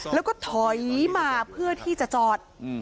แล้วก็ถอยมาเพื่อที่จะจอด